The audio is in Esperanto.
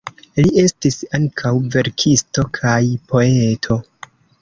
Li estis ankaŭ verkisto kaj poeto.